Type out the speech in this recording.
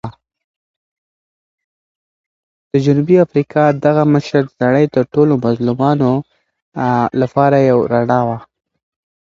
د جنوبي افریقا دغه مشر د نړۍ د ټولو مظلومانو لپاره یو رڼا وه.